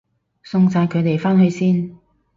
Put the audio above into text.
送晒佢哋返去先